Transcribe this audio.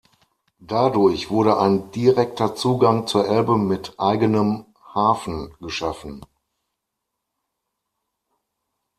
Dadurch wurde ein direkter Zugang zur Elbe mit eigenem Hafen geschaffen.